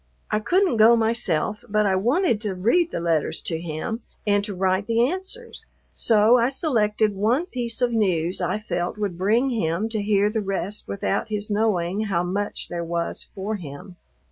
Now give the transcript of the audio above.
I couldn't go myself, but I wanted to read the letters to him and to write the answers; so I selected one piece of news I felt would bring him to hear the rest without his knowing how much there was for him.